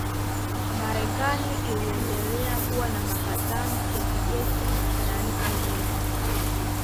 Marekani iliendelea kuwa na mapatano ya kijeshi na nchi nyingi